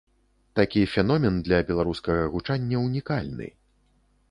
Такі феномен для беларускага гучання ўнікальны.